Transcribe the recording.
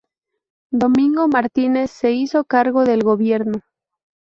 Domingo Martínez se hizo cargo del gobierno.